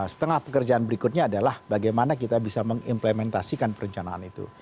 setengah pekerjaan berikutnya adalah bagaimana kita bisa mengimplementasikan perencanaan itu